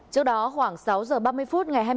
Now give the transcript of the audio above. trước đó khoảng sáu h ba mươi phút ngày hai mươi bốn